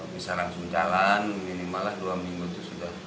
bisa langsung jalan minimallah dua minggu itu sudah